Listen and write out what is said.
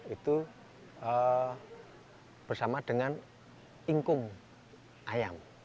itu bersama dengan ingkung ayam